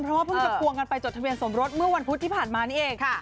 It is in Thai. เพราะว่าเพิ่งจะควงกันไปจดทะเบียนสมรสเมื่อวันพุธที่ผ่านมานี่เองค่ะ